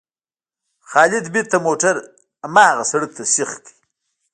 خالد بېرته موټر هماغه سړک ته سیخ کړ.